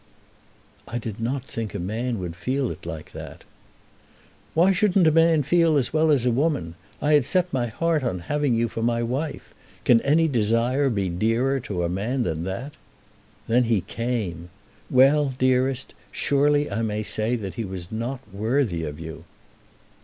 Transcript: "I did not think a man would feel it like that." "Why shouldn't a man feel as well as a woman? I had set my heart on having you for my wife. Can any desire be dearer to a man than that? Then he came. Well, dearest; surely I may say that he was not worthy of you."